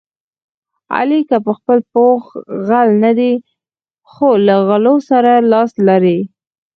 علي که په خپله پوخ غل نه دی، خو له غلو سره لاس لري.